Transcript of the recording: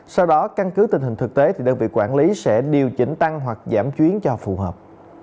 sau đó căn cứ tình hình thực tế thì đơn vị quản lý sẽ điều chỉnh tăng hoặc giảm chuyến cho phù hợp